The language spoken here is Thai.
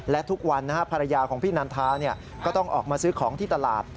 และทุกวันภรรยาของพี่นันทาก็ต้องออกมาซื้อของที่ตลาด